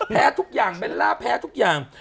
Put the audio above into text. แพ้แทรกทุกอย่าง